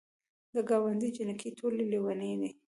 د ګاونډ جینکۍ ټولې لیونۍ دي.